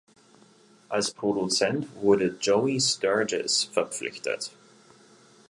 Als Produzent wurde Joey Sturgis verpflichtet.